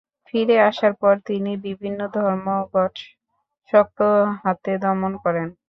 ফিরে আসার পর তিনি বিভিন্ন ধর্মঘট শক্ত হাতে দমন করেন।